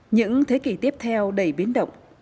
những thế kỷ tiếp theo đầy biến động